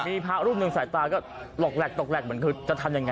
มีภารุ้นึงใส่ตาก็หลอกแหลกตกแหลกเหมือนคือจะทำยังไง